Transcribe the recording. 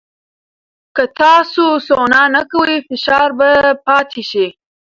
که تاسو سونا نه کوئ، فشار به پاتې شي.